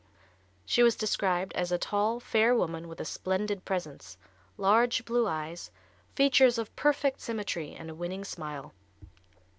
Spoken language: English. She is described as a tall, fair woman with a splendid presence, large blue eyes, features of perfect symmetry and a winning smile.